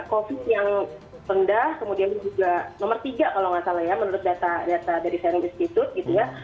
covid yang rendah kemudian juga nomor tiga kalau nggak salah ya menurut data dari sharing institute gitu ya